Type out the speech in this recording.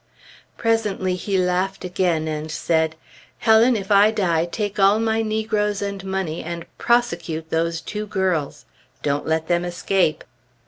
Presently he laughed again and said, "Helen, if I die, take all my negroes and money and prosecute those two girls! Don't let them escape!"